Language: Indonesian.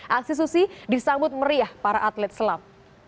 aksi susi disambut meriah para atlet selam